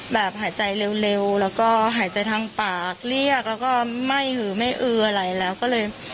แบบหายใจเร็วแล้วก็หายใจทางปากเรียกแล้วก็ไม่หือไม่อืออะไรแล้วก็เลย